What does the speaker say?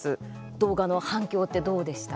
動画の反響ってどうでした？